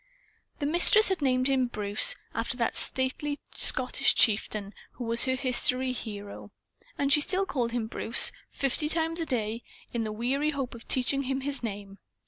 The Mistress had named him "Bruce," after the stately Scottish chieftain who was her history hero. And she still called him Bruce fifty times a day in the weary hope of teaching him his name.